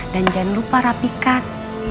dan jangan lupa rapikan